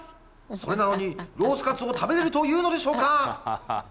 それなのにロースかつを食べれるというのでしょうか？